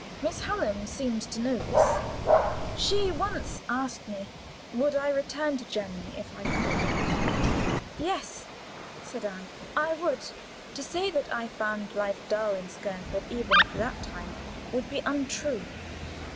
Miss Hallam seemed to know this; she once asked me: "Would I return to Germany if I could?" "Yes," said I, "I would." To say that I found life dull, even in Skernford, at that time would be untrue.